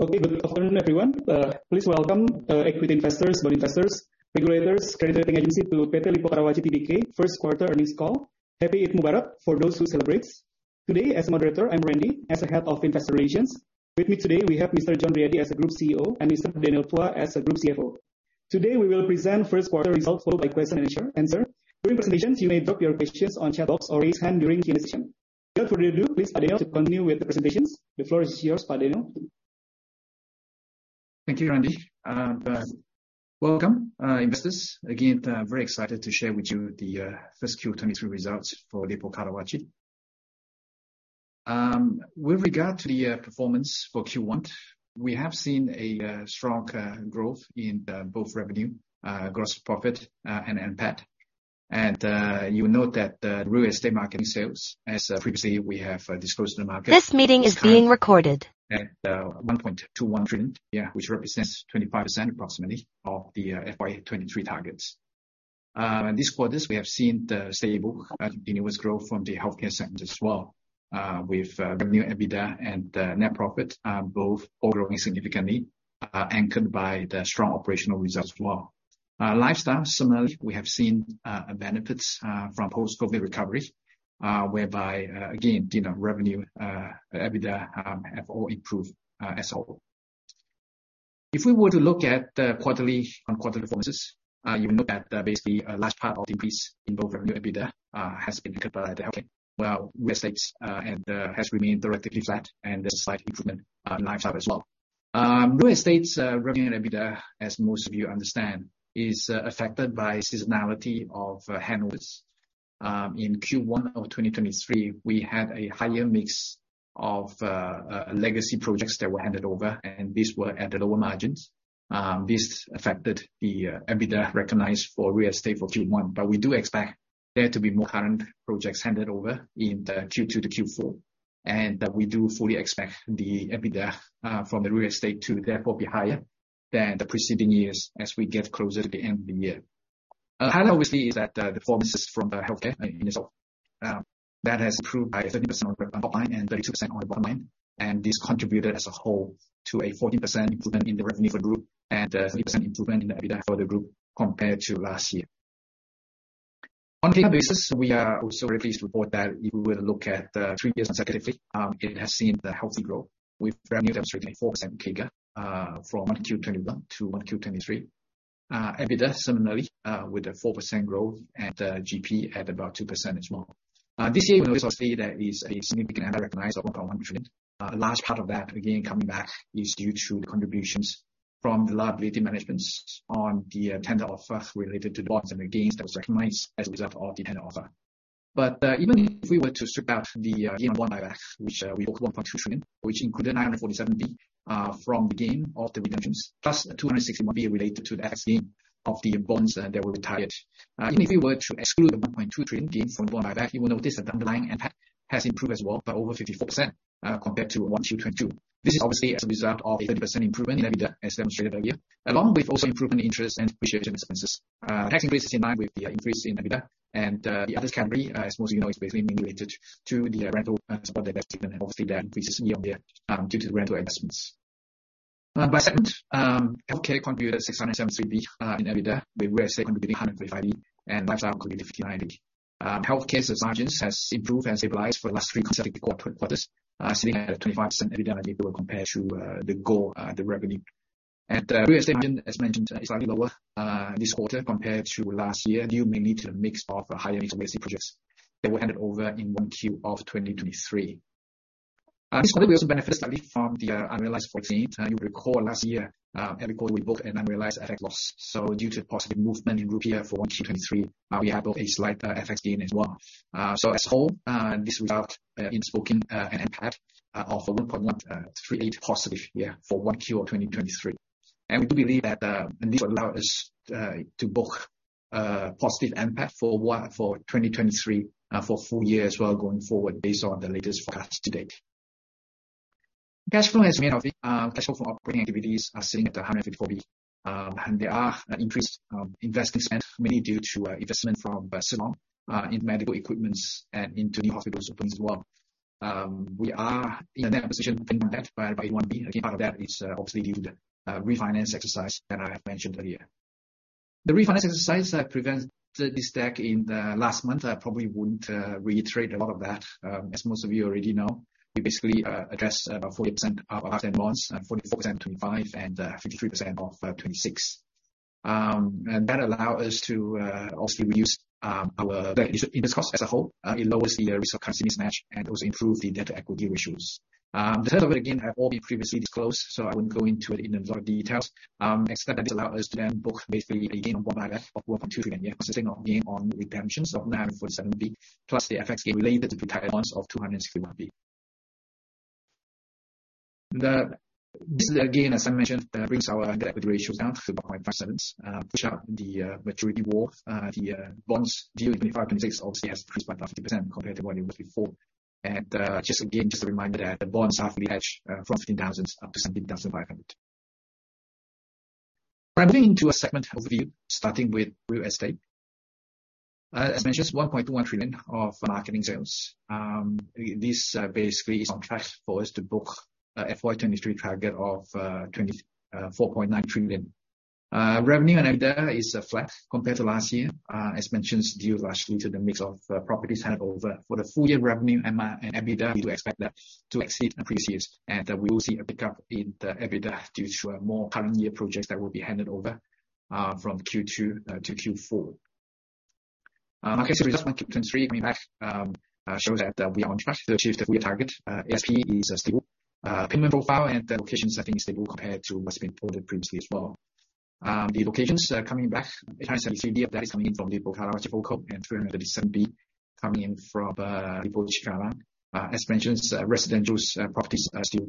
Okay. Good afternoon, everyone. Please welcome the equity investors, bond investors, regulators, credit rating agency to PT Lippo Karawaci Tbk first quarter earnings call. Happy Eid Mubarak for those who celebrates. Today as moderator, I'm Randi, as the Head of Investor Relations. With me today we have Mr. John Riady as the Group CEO, and Mr. Daniel Phua as the Group CFO. Today, we will present first quarter results, followed by question and answer. During presentations, you may drop your questions on chat box or raise hand during Q&A session. Without further ado, please Daniel to continue with the presentations. The floor is yours, Daniel. Thank you, Randy. Welcome, investors. Again, very excited to share with you the first quarter 2023 results for Lippo Karawaci. With regard to the performance for Q1, we have seen a strong growth in the both revenue, gross profit, and NPAT. You note that the real estate marketing sales, as previously we have disclosed to the market. This meeting is being recorded. At 1.21 trillion, yeah, which represents 25% approximately of the FY 2023 targets. This quarters we have seen the stable continuous growth from the healthcare segment as well, with revenue, EBITDA and net profit are both all growing significantly, anchored by the strong operational results as well. Lifestyle similarly, we have seen benefits from post-COVID recovery, whereby, again, you know, revenue, EBITDA have all improved as a whole. If we were to look at the quarterly on quarterly performances, you would know that basically a large part of increase in both revenue EBITDA has been coupled at the healthcare, while real estates and has remained relatively flat and a slight improvement on lifestyle as well. Real estate revenue and EBITDA, as most of you understand, is affected by seasonality of handovers. In Q1 of 2023, we had a higher mix of legacy projects that were handed over, these were at the lower margins. This affected the EBITDA recognized for real estate for Q1. We do expect there to be more current projects handed over in the Q2-Q4, and that we do fully expect the EBITDA from the real estate to therefore be higher than the preceding years as we get closer to the end of the year. Highlight obviously is that the performances from the healthcare in itself, that has improved by 30% on the top line, 32% on the bottom line. This contributed as a whole to a 14% improvement in the revenue for the group and a 30% improvement in the EBITDA for the group compared to last year. On CAGR basis, we are also very pleased to report that if we were to look at the three years consecutively, it has seen the healthy growth with revenue that was rated at 4% CAGR, from 1Q 2021 to 1Q 2023. EBITDA similarly, with a 4% growth and GP at about 2% as well. This year you will also see that is a significant EBITDA recognized of 1.1 trillion. A large part of that again coming back is due to the contributions from the liability managements on the tender offers related to the bonds and the gains that was recognized as a result of the tender offer. Even if we were to strip out the gain on bond buyback, which we booked 1.2 trillion, which included 947 billion from the gain of the redemptions, plus 261 billion related to the FX gain of the bonds that were retired. Even if we were to exclude the 1.2 trillion gain from bond buyback, you will notice that the underlying NPAT has improved as well by over 54% compared to 1Q22. This is obviously as a result of a 30% improvement in EBITDA as demonstrated earlier, along with also improvement in interest and appreciation expenses. Tax increase is in line with the increase in EBITDA and the others category, as most of you know, is basically mainly related to the rental, support investment, and obviously that increases year-on-year, due to the rental investments. By segment, healthcare contributed 673 billion, in EBITDA, with real estate contributing 135 billion, and lifestyle contributed 59 billion. Healthcare's margins has improved and stabilized for the last three consecutive quarters, sitting at a 25% EBITDA margin compared to the goal, the revenue. Real estate margin as mentioned is slightly lower this quarter compared to last year, due mainly to the mix of higher mix of legacy projects that were handed over in 1Q of 2023. This quarter we also benefited slightly from the unrealized FX gain. You recall last year, every quarter we booked an unrealized FX loss. Due to positive movement in rupiah for 1Q 2023, we have a slight FX gain as well. As a whole, this result in spoken an NPAT of 1.138 positive for 1Q of 2023. We do believe that this will allow us to book a positive NPAT for what? For 2023, for full year as well going forward based on the latest forecast to date. Cash flow as main topic. Cash flow from operating activities are sitting at 154 billion. And there are increased investing spend mainly due to investment from Siloam in medical equipments and into new hospital openings as well. We are in a net position of 21 billion. Again, part of that is obviously due to the refinance exercise that I have mentioned earlier. The refinance exercise presented this deck in the last month, I probably wouldn't reiterate a lot of that as most of you already know. We basically addressed about 40% of our outstanding loans, 44% of 2025 and 53% of 2026. That allow us to obviously reduce our interest cost as a whole. It lowers the risk of currency mismatch and also improve the debt to equity ratios. The terms of it again have all been previously disclosed, I wouldn't go into it in a lot of details. Except that this allow us to then book basically a gain of one buyback of IDR 1.2 trillion, yeah, consisting of gain on redemptions of 947 billion, plus the FX gain related to retired bonds of 261 billion. This again, as I mentioned, brings our debt to equity ratios down to 2.57, push out the maturity wall. The bonds due in 2025 and 2026 obviously has increased by about 50% compared to what it was before. Just again, just a reminder that the bonds are fully hedged from 15,000 up to 17,500. We're moving into a segment overview, starting with real estate. As mentioned, 1.1 trillion of marketing sales. This basically is on track for us to book a FY 2023 target of 4.9 trillion. Revenue and EBITDA is flat compared to last year, as mentioned, due largely to the mix of properties handed over. For the full year revenue and EBITDA, we do expect that to exceed the previous, and we will see a pickup in the EBITDA due to more current year projects that will be handed over from Q2 to Q4. Results from Q3 coming back show that we are on track to achieve the full year target. ASP is stable. Payment profile and the location setting is stable compared to what's been reported previously as well. The locations coming back, 873 billion of that is coming from the Bora Cibubur and 337 billion coming in from the Bora Cikarang. As mentioned, residential's properties are still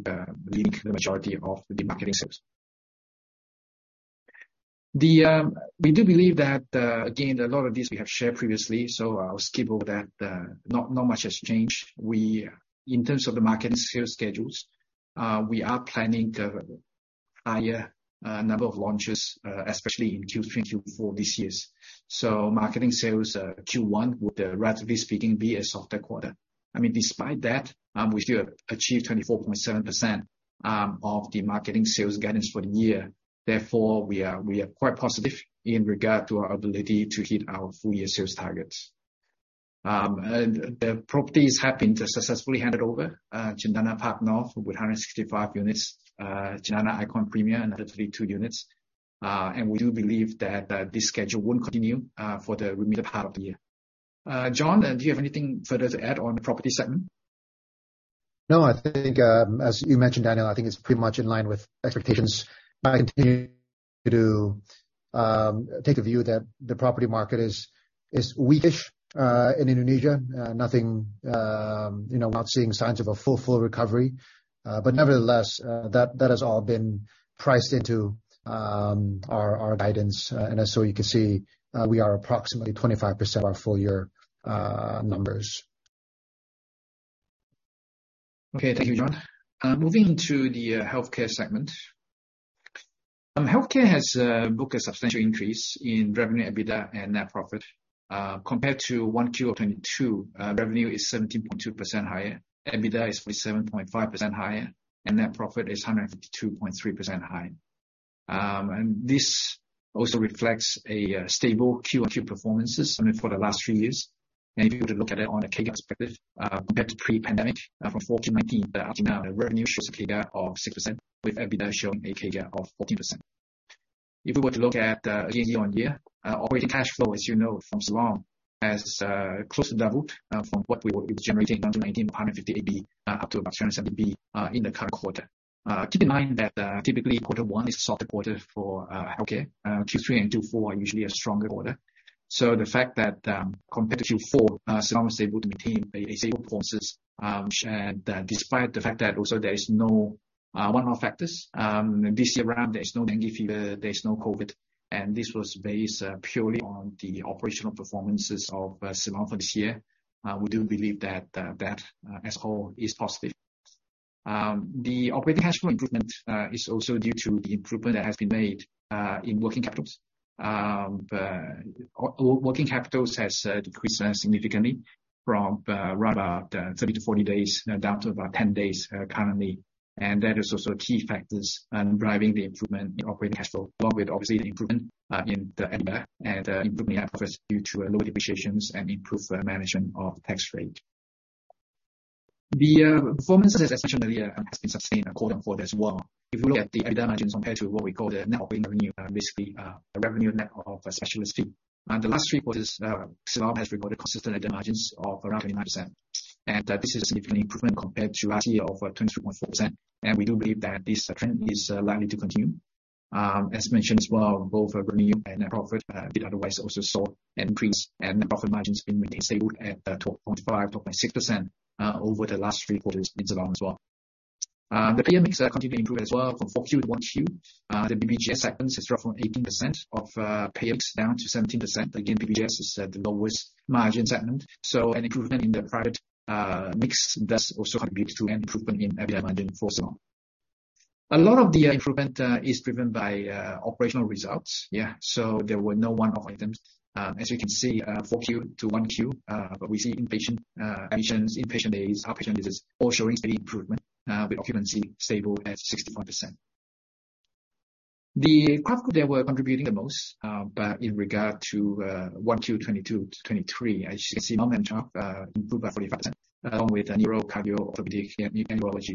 leading the majority of the marketing sales. We do believe that again, a lot of this we have shared previously, so I'll skip over that. Not much has changed. We, in terms of the marketing sales schedules, we are planning to have a higher number of launches, especially in Q3 and Q4 this year. Marketing sales, Q1 would, relatively speaking, be a softer quarter. I mean, despite that, we still have achieved 24.7% of the marketing sales guidance for the year. We are quite positive in regard to our ability to hit our full year sales targets. The properties have been successfully handed over, Cendana Park North with 165 units, Cendana Icon Premier, another 32 units. We do believe that this schedule will continue for the remaining part of the year. John, do you have anything further to add on the property segment? No, I think, as you mentioned, Daniel, I think it's pretty much in line with expectations. I continue to take a view that the property market is weak-ish in Indonesia. Nothing, you know, we're not seeing signs of a full recovery. Nevertheless, that has all been priced into our guidance. You can see, we are approximately 25% of our full year numbers. Okay, thank you, John. Moving to the healthcare segment. Healthcare has booked a substantial increase in revenue, EBITDA and net profit. Compared to 1Q of 2022, revenue is 17.2% higher, EBITDA is 27.5% higher, and net profit is 152.3% higher. This also reflects a stable QOQ performances, I mean, for the last three years. If you were to look at it on a KGA perspective, compared to pre-pandemic, from 4Q 2019 up to now, the revenue shows a KGA of 6%, with EBITDA showing a KGA of 14%. If you were to look at, again, year-on-year, operating cash flow, as you know, from Siloam has closed the level from what we were generating in 19.158 billion up to about 270 billion in the current quarter. Keep in mind that typically quarter one is a softer quarter for healthcare. Q3 and Q4 are usually a stronger quarter. The fact that, compared to Q4, Siloam was able to maintain a stable performance, which, despite the fact that also there is no one-off factors this year around, there is no dengue fever, there is no COVID, and this was based purely on the operational performances of Siloam for this year, we do believe that that as a whole is positive. The operating cash flow improvement is also due to the improvement that has been made in working capital. Working capital has decreased significantly from around about 30 to 40 days down to about 10 days currently. That is also key factors in driving the improvement in operating cash flow, along with obviously the improvement in the EBITDA and improvement in profits due to lower depreciations and improved management of tax rate. The performance as mentioned earlier has been sustained quarter-on-quarter as well. If you look at the EBITDA margins compared to what we call the net operating revenue, basically the revenue net of specialist fee. The last three quarters, Siloam has reported consistent EBITDA margins of around 29%. This is a significant improvement compared to last year of 23.4%. We do believe that this trend is likely to continue. As mentioned as well, both revenue and net profit, EBITDA also saw an increase, and net profit margin has been maintained stable at 12.5%-12.6% over the last three quarters in Siloam as well. The payer mix continued to improve as well. From 4Q to 1Q, the BPJS segment has dropped from 18% of payer mix down to 17%. Again, BPJS is the lowest margin segment. An improvement in the private mix does also contribute to an improvement in EBITDA margin for Siloam. A lot of the improvement is driven by operational results. There were no one-off items. As you can see, 4Q to 1Q, we see inpatient admissions, inpatient days, outpatient visits, all showing steady improvement, with occupancy stable at 61%. The KRAT code, they were contributing the most, in regard to 1Q 2022 to 2023, as you can see, long-term improved by 45%, along with neuro, cardio, orthopedic and urology.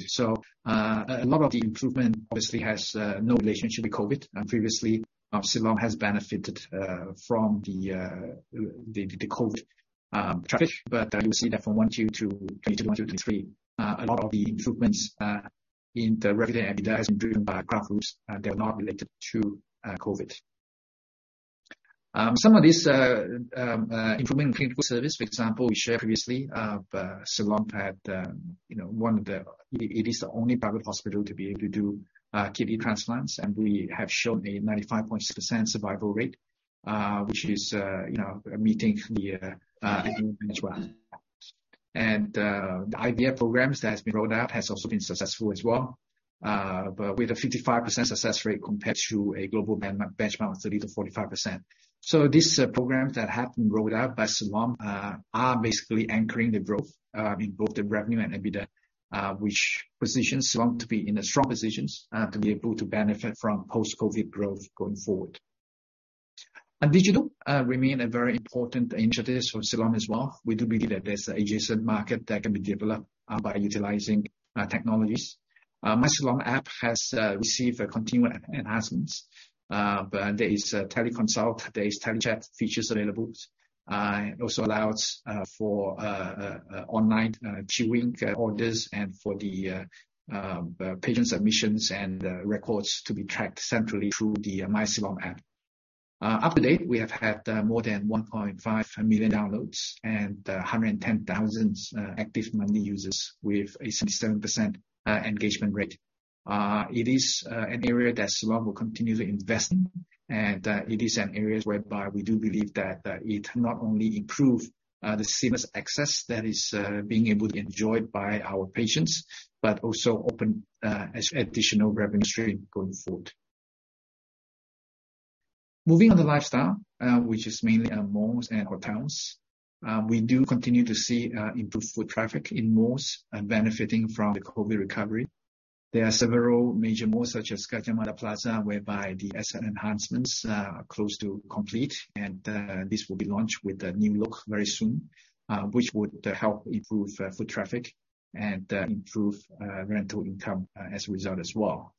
A lot of the improvement obviously has no relationship with COVID. Previously, Siloam has benefited from the COVID traffic, but you will see that from 1Q 2022, 1Q 2023, a lot of the improvements in the revenue and EBITDA has been driven by KRAT codes that are not related to COVID. Some of this improvement in clinical service, for example, we shared previously, Siloam had, you know, it is the only private hospital to be able to do kidney transplants. We have shown a 95.6% survival rate, which is, you know, meeting the improvement as well. The IVF programs that has been rolled out has also been successful as well, but with a 55% success rate compared to a global benchmark of 30%-45%. These programs that have been rolled out by Siloam are basically anchoring the growth in both the revenue and EBITDA, which positions Siloam to be in a strong position to be able to benefit from post-COVID growth going forward. Digital remain a very important initiative for Siloam as well. We do believe that there's adjacent market that can be developed by utilizing technologies. MySiloam app has received a continued enhancements, but there is a teleconsult, there is telechat features available. It also allows for online queuing orders and for the patient submissions and records to be tracked centrally through the MySiloam app. Up to date, we have had more than 1.5 million downloads, and 110,000 active monthly users with a 67% engagement rate. It is an area that Siloam will continue to invest in, it is an area whereby we do believe that it not only improve the seamless access that is being able to enjoyed by our patients, but also open as additional revenue stream going forward. Moving on to lifestyle, which is mainly our malls and hotels. We do continue to see improved foot traffic in malls and benefiting from the COVID recovery. There are several major malls such as Gajah Mada Plaza, whereby the asset enhancements are close to complete. This will be launched with a new look very soon, which would help improve foot traffic and improve rental income as a result as well.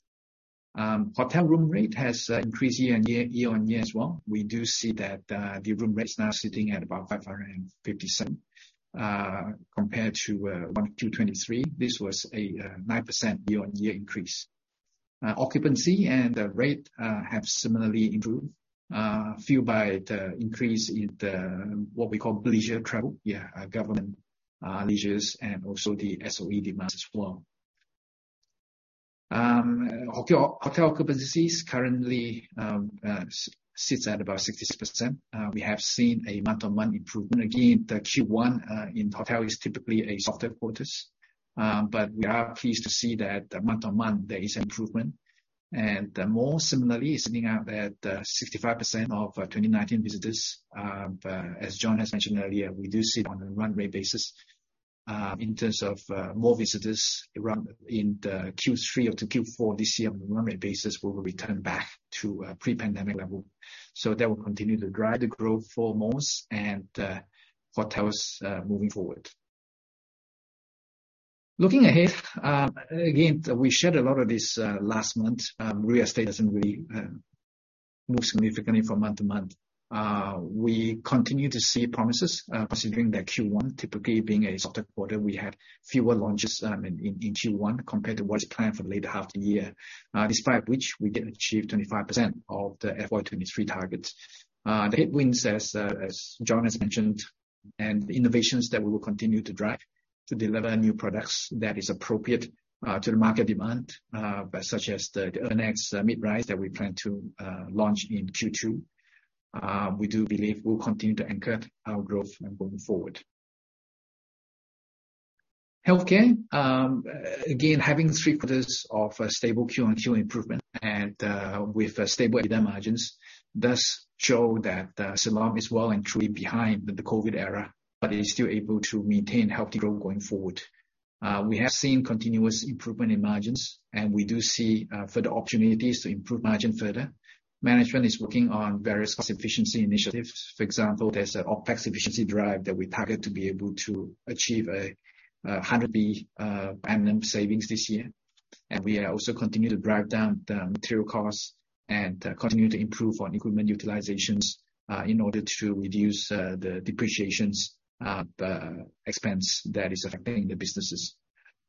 Hotel room rate has increased year-on-year as well. We do see that the room rate is now sitting at about 557 compared to 123. This was a 9% year-on-year increase. Occupancy and the rate have similarly improved, fueled by the increase in the, what we call leisure travel. Government leisures and also the SOE demand as well. Hotel occupancies currently sits at about 66%. We have seen a month-on-month improvement. Again, the Q1 in hotel is typically a softer quarters. We are pleased to see that month-on-month there is improvement. The mall similarly is sitting at 65% of 2019 visitors. As John has mentioned earlier, we do see it on a runway basis, in terms of more visitors around in the Q3 or to Q4 this year. On a runway basis, we will return back to pre-pandemic level. That will continue to drive the growth for malls and hotels moving forward. Looking ahead, again, we shared a lot of this last month. Real estate doesn't really move significantly from month to month. We continue to see promises, considering that Q1 typically being a softer quarter. We have fewer launches in Q1 compared to what is planned for the later half of the year. Despite which, we did achieve 25% of the FY 23 targets. The headwinds as John has mentioned, the innovations that we will continue to drive to deliver new products that is appropriate to the market demand by such as the NX mid rise that we plan to launch in Q2. We do believe we'll continue to anchor our growth moving forward. Healthcare, again, having three quarters of a stable QOQ improvement with stable EBITDA margins, does show that Siloam is well and truly behind the COVID era, is still able to maintain healthy growth going forward. We have seen continuous improvement in margins, we do see further opportunities to improve margin further. Management is working on various cost efficiency initiatives. There's an OpEx efficiency drive that we target to be able to achieve 100 billion annual savings this year. We are also continue to drive down the material costs and continue to improve on equipment utilizations in order to reduce the depreciations, the expense that is affecting the businesses.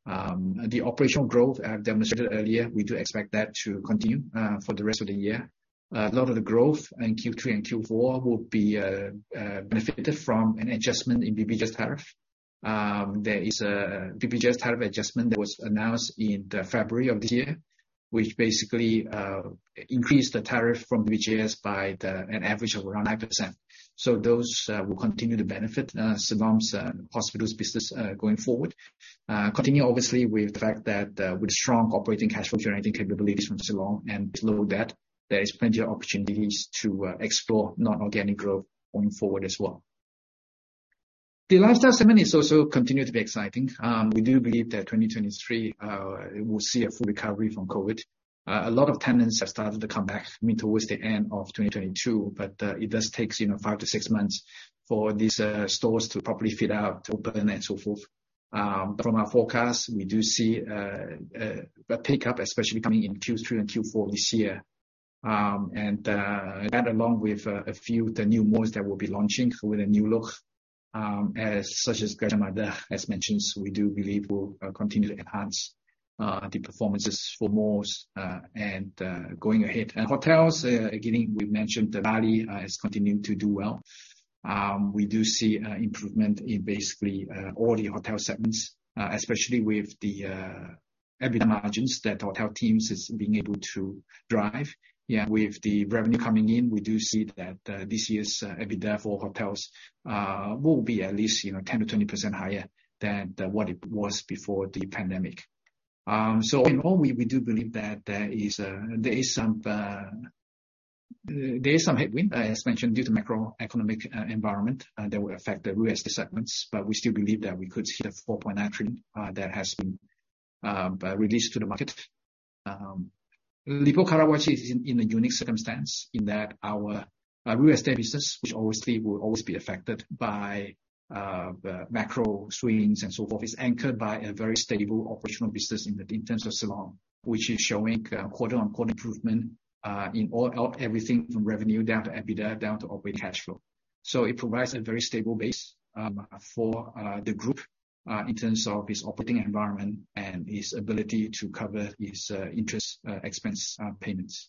The operational growth I've demonstrated earlier, we do expect that to continue for the rest of the year. A lot of the growth in Q3 and Q4 will be benefited from an adjustment in BPJS tariff. There is a BPJS tariff adjustment that was announced in February of this year, which basically increased the tariff from BPJS by an average of around 100%. Those will continue to benefit Siloam's hospitals business going forward. Continue obviously with the fact that with strong operating cash flow-generating capabilities from Siloam, below that, there is plenty of opportunities to explore non-organic growth going forward as well. The lifestyle segment is also continue to be exciting. We do believe that 2023 will see a full recovery from COVID. A lot of tenants have started to come back, I mean, towards the end of 2022. It does takes, you know, five to six months for these stores to properly fit out, to open, and so forth. From our forecast, we do see a pickup, especially coming in Q3 and Q4 this year. That along with a few of the new malls that we'll be launching with a new look, such as Gajah Mada, as mentioned, we do believe we'll continue to enhance the performances for malls going ahead. Hotels, again, we mentioned the value is continuing to do well. We do see improvement in basically all the hotel segments, especially with the EBITDA margins that hotel teams is being able to drive. With the revenue coming in, we do see that this year's EBITDA for hotels will be at least, you know, 10%-20% higher than what it was before the pandemic. In all, we do believe that there is some headwind, as mentioned, due to macroeconomic environment that will affect the real estate segments. We still believe that we could see the four point actually that has been released to the market. Lippo Karawaci is in a unique circumstance in that our real estate business, which obviously will always be affected by the macro swings and so forth, is anchored by a very stable operational business in terms of Siloam, which is showing quarter-on-quarter improvement in all of everything from revenue down to EBITDA, down to operating cash flow. It provides a very stable base for the group in terms of its operating environment and its ability to cover its interest expense payments.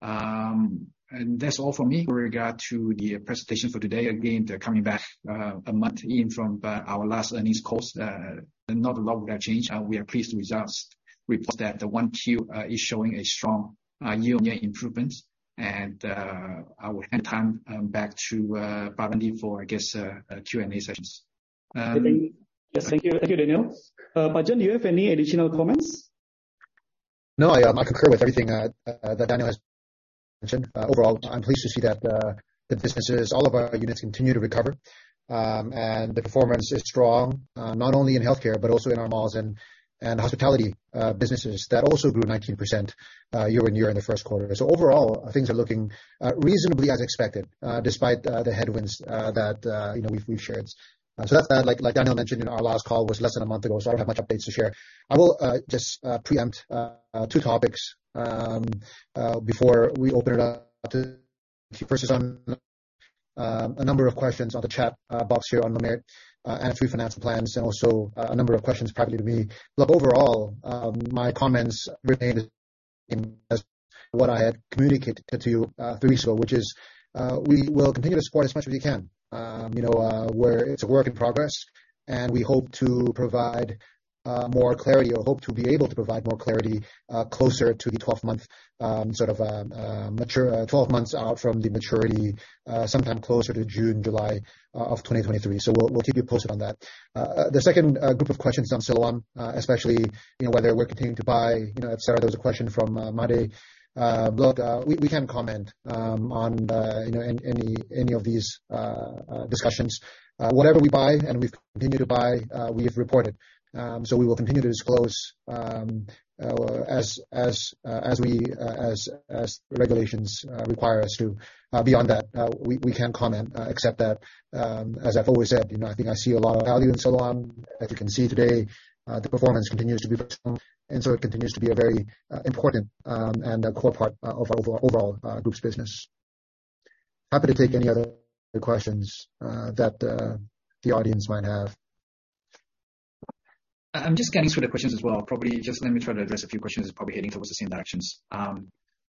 That's all for me with regard to the presentation for today. Again, they're coming back a month in from our last earnings calls. Not a lot of change. We are pleased with results. Report that the 1Q is showing a strong year-on-year improvement. I will hand time back to Pak Randi for, I guess, Q&A sessions. Yes, thank you. Thank you, Daniel. Pak John, do you have any additional comments? I concur with everything that Daniel has mentioned. Overall, I'm pleased to see that the businesses, all of our units continue to recover. The performance is strong, not only in healthcare but also in our malls and hospitality businesses that also grew 19% year-over-year in the first quarter. Overall, things are looking reasonably as expected, despite the headwinds that, you know, we've shared. That's that. Like Daniel mentioned in our last call was less than a month ago, I don't have much updates to share. I will just preempt two topics before we open it up to. First is on a number of questions on the chat box here on Lumi, also a number of questions probably to me. Look, overall, my comments remain as what I had communicated to you three weeks ago, which is we will continue to support as much as we can. You know, it's a work in progress, we hope to provide more clarity or hope to be able to provide more clarity closer to the 12 month, sort of, mature, 12 months out from the maturity, sometime closer to June, July of 2023. We'll keep you posted on that. The second group of questions on Siloam, especially, you know, whether we're continuing to buy, you know, et cetera. There was a question from Monday blog. We can't comment on, you know, any of these discussions. Whatever we buy and we continue to buy, we have reported. We will continue to disclose as we as regulations require us to. Beyond that, we can't comment except that, as I've always said, you know, I think I see a lot of value in Siloam. As you can see today, the performance continues to be very strong, it continues to be a very important and a core part of our overall group's business. Happy to take any other questions that the audience might have. I'm just getting through the questions as well. Probably just let me try to address a few questions, probably heading towards the same directions.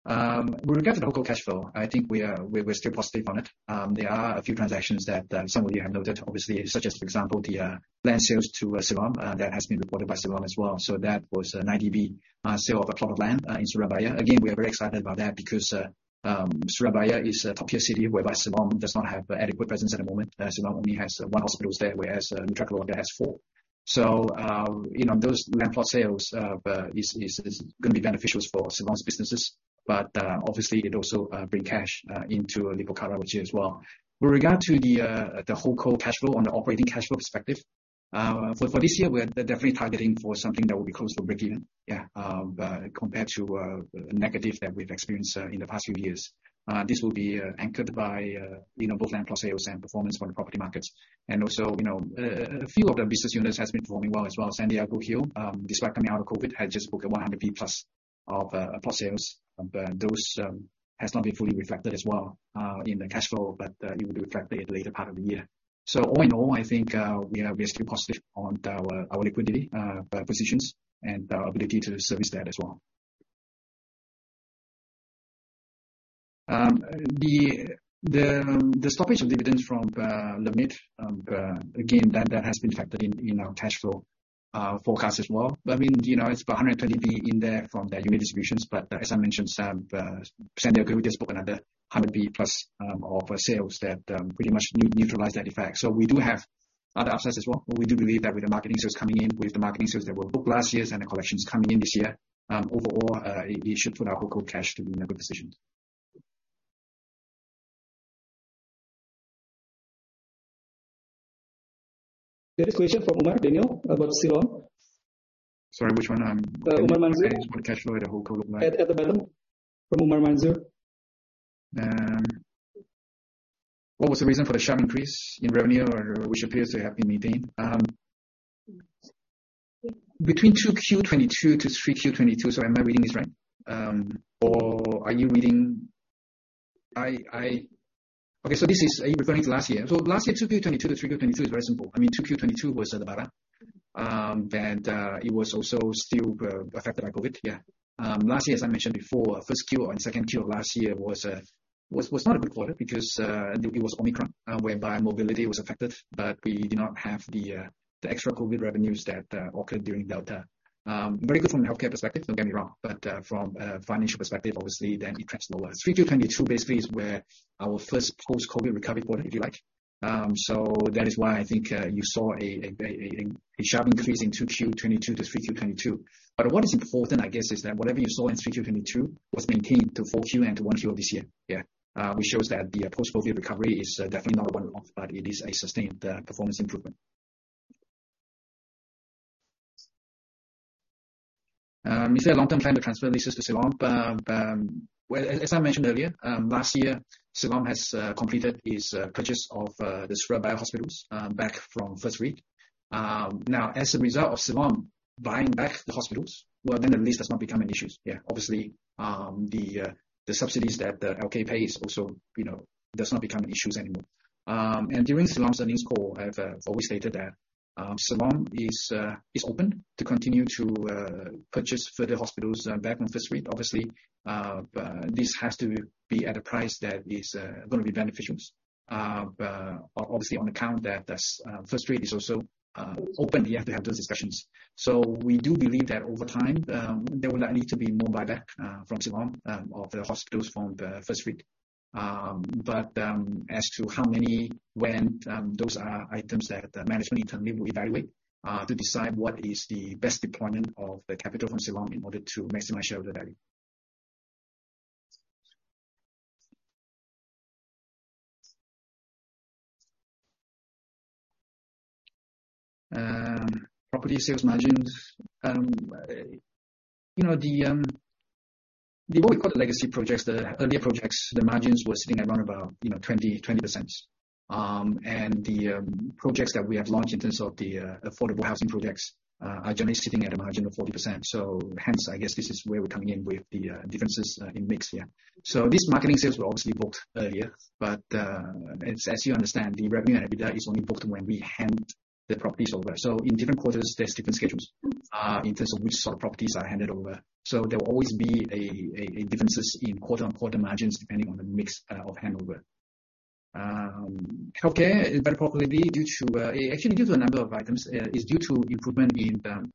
With regard to the local cash flow, I think we're still positive on it. There are a few transactions that some of you have noted, obviously, such as, for example, the land sales to Siloam, that has been reported by Siloam as well. That was a 90 billion sale of a plot of land in Surabaya. Again, we are very excited about that because Surabaya is a top tier city whereby Siloam does not have adequate presence at the moment. Siloam only has one hospital there, whereas Mitra Keluarga has four. You know, those land plot sales is going to be beneficial for Siloam's businesses, but obviously it also bring cash into Lippo Karawaci as well. With regard to the whole co-cash flow on the operating cash flow perspective, for this year, we're definitely targeting for something that will be close to breakeven, yeah, compared to negative that we've experienced in the past few years. This will be anchored by, you know, both land plot sales and performance from the property markets. Also, you know, a few of the business units has been performing well as well. San Diego Hills, despite coming out of COVID, had just booked 100 billion+ of plot sales. Those has not been fully reflected as well in the cash flow, but it will be reflected at a later part of the year. All in all, I think we are still positive on our liquidity positions and our ability to service that as well. The stoppage of dividends from Lumi again, that has been factored in in our cash flow forecast as well. I mean, you know, it's 120 billion in there from the unit distributions, as I mentioned, Sam, San Diego, we just booked another 100 billion+ of sales that pretty much neutralize that effect. We do have other upsets as well, but we do believe that with the marketing sales coming in, with the marketing sales that were booked last year and the collections coming in this year, overall, it should put our whole co-cash to be in a good position. There is a question from Omar, Daniel, about Siloam. Sorry, which one? Omar Manzoor. Cash flow at the whole co- At the bottom. From Omar Manzoor. What was the reason for the sharp increase in revenue or which appears to have been maintained? Between 2Q 2022 to 3Q 2022, am I reading this right? Are you referring to last year? Last year, 2Q 2022 to 3Q 2022 is very simple. I mean, 2Q 2022 was bad. It was also still affected by COVID. Yeah. Last year, as I mentioned before, 1Q and 2Q of last year was not a good quarter because it was Omicron, whereby mobility was affected, but we did not have the extra COVID revenues that occurred during Delta. Very good from a healthcare perspective, don't get me wrong, from a financial perspective, obviously it trends lower. 3Q 2022 basically is where our first post-COVID recovery quarter, if you like. That is why I think you saw a sharp increase in 2Q 2022 to 3Q 2022. What is important, I guess, is that whatever you saw in 3Q 2022 was maintained to 4Q and to 1Q of this year. Yeah. Which shows that the post-COVID recovery is definitely not a one-off, it is a sustained performance improvement. Is there a long-term plan to transfer leases to Siloam? Well, as I mentioned earlier, last year, Siloam has completed its purchase of the Sri Ratu hospitals back from First REIT. Now as a result of Siloam buying back the hospitals, well, the lease does not become an issue. Yeah. Obviously, the subsidies that LK pays also, you know, does not become issues anymore. During Siloam's earnings call, I've always stated that Siloam is open to continue to purchase further hospitals back on First REIT. Obviously, this has to be at a price that is gonna be beneficial. Obviously on account that that's First REIT is also open. We have to have those discussions. We do believe that over time, there will likely to be more buyback from Siloam of the hospitals from the First REIT. As to how many, when, those are items that the management internally will evaluate to decide what is the best deployment of the capital from Siloam in order to maximize shareholder value. Property sales margins. You know, the what we call the legacy projects, the earlier projects, the margins were sitting at around about 20%. The projects that we have launched in terms of the affordable housing projects are generally sitting at a margin of 40%. Hence, I guess this is where we're coming in with the differences in mix here. These marketing sales were obviously booked earlier, but as you understand, the revenue and EBITDA is only booked when we hand the properties over. In different quarters, there's different schedules in terms of which sort of properties are handed over. There will always be a differences in quarter-on-quarter margins depending on the mix of handover. Okay. Better profitability due to actually due to a number of items is due to improvement in the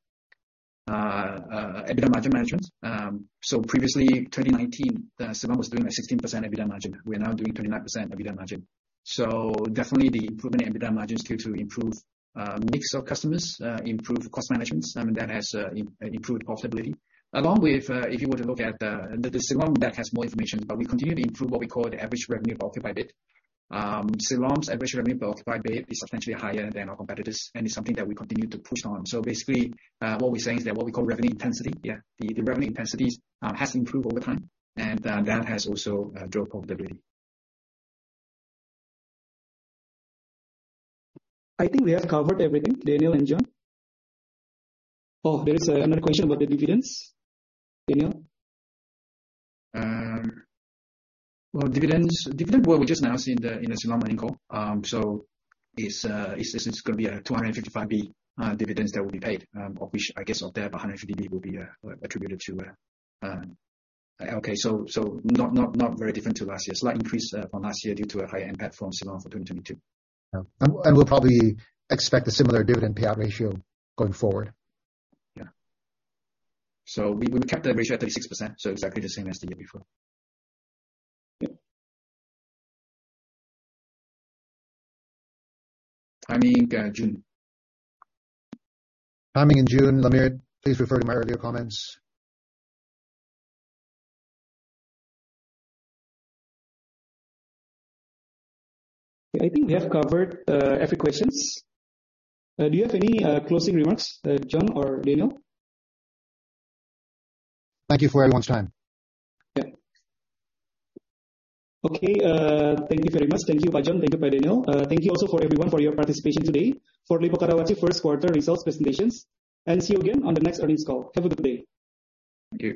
EBITDA margin management. Previously, 2019, Siloam was doing a 16% EBITDA margin. We're now doing 29% EBITDA margin. Definitely the improvement in EBITDA margin is due to improved mix of customers, improved cost management, and that has improved profitability. Along with, if you were to look at the Siloam debt has more information, but we continue to improve what we call the average revenue per occupied bed. Siloam's average revenue per occupied bed is substantially higher than our competitors, and it's something that we continue to push on. Basically, what we're saying is that what we call revenue intensity, yeah, the revenue intensity has improved over time. That has also drove profitability. I think we have covered everything, Daniel and John. Oh, there is another question about the dividends. Daniel? Well, dividends, dividend board we just announced in the Siloam earnings call. It's gonna be 255 billion dividends that will be paid. Of which I guess of that, 150 billion will be attributed to LK. Not very different to last year. Slight increase from last year due to a higher impact from Siloam for 2022. We'll probably expect a similar dividend payout ratio going forward. Yeah. We kept that ratio at 36%, exactly the same as the year before. Yep. Timing, June. Timing in June, Amir, please refer to my earlier comments. I think we have covered, every questions. Do you have any, closing remarks, John or Daniel? Thank you for everyone's time. Yeah. Okay. Thank you very much. Thank you, Pak John. Thank you, Pak Daniel. Thank you also for everyone for your participation today for Lippo Karawaci first quarter results presentations. See you again on the next earnings call. Have a good day. Thank you.